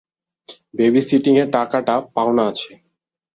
বেবিসিটিংয়ের টাকাটা পাওনা আছে।